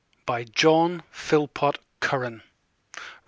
By John Philpot Curran 10.